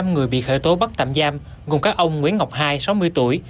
năm người bị khởi tố bắt tạm giam gồm các ông nguyễn ngọc hai sáu mươi tuổi